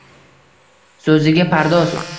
so’ziga pardoz.